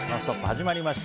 始まりました。